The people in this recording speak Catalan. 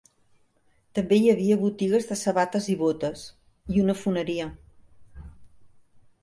També hi havia botigues de sabates i botes, i una foneria..